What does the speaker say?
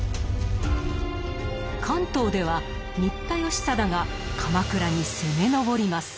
関東では新田義貞が鎌倉に攻め上ります。